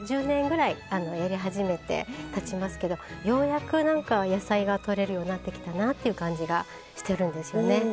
１０年ぐらいやり始めてたちますけどようやくなんか野菜がとれるようになってきたなという感じがしてるんですよね。